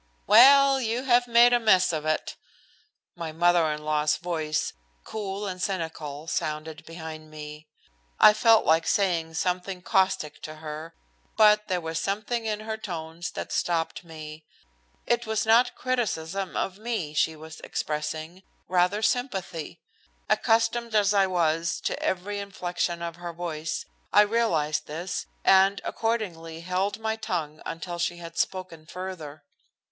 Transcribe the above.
"Well, you have made a mess of it!" My mother in law's voice, cool and cynical, sounded behind me. I felt like saying something caustic to her, but there was something in her tones that stopped me. It was not criticism of me she was expressing, rather sympathy. Accustomed as I was to every inflection of her voice, I realized this, and accordingly held my tongue until she had spoken further.